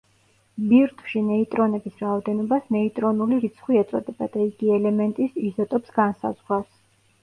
ბირთვში ნეიტრონების რაოდენობას ნეიტრონული რიცხვი ეწოდება და იგი ელემენტის იზოტოპს განსაზღვრავს.